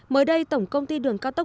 mới đây tổng công ty đường cao tốc